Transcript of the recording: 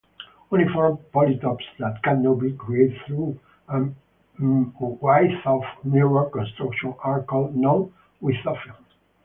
Uniform polytopes that cannot be created through a Wythoff mirror construction are called non-Wythoffian.